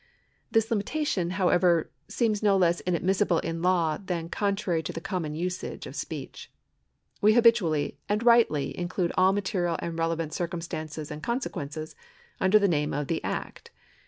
This limitation, however, seems no less inadmissible in law than contrary to the common usage of speech. We habitually and rightly in clude all material and relevant circumstances and conse quences under the name of the act.